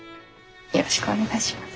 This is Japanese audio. よろしくお願いします。